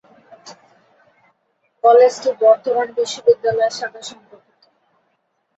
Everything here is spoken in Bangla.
কলেজটি বর্ধমান বিশ্ববিদ্যালয়ের সাথে সম্পর্কিত।